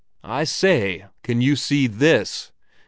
I say, can you see this?"